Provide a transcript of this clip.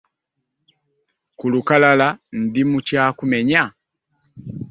Ku lukalala ndi mu kyakumeka?